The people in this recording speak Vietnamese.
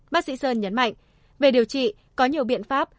bác sĩ sơn nhấn mạnh về điều trị có nhiều biện pháp